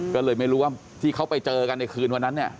ก็เลยไม่รู้ว่าที่เขาไปเจอกันในคืนวันนั้นเนี่ย